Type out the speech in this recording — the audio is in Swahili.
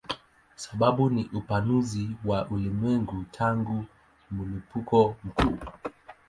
Sababu ni upanuzi wa ulimwengu tangu mlipuko mkuu.